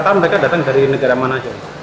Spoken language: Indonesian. rata rata mereka datang dari negara mana